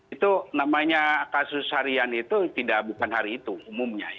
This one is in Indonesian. itu namanya kasus harian itu tidak bukan hari itu umumnya